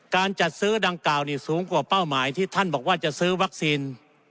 การจัดซื้อดังกล่าวนี่สูงกว่าเป้าหมายที่ท่านบอกว่าจะซื้อวัคซีน